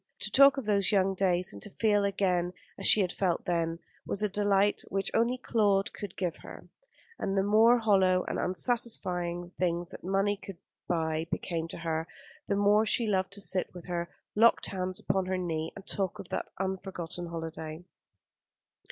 To talk of those young days, and to feel again as she had felt then, was a delight which only Claude could give her; and the more hollow and unsatisfying the things that money could buy became to her, the more she loved to sit with her locked hands upon her knee and talk of that unforgotten holiday.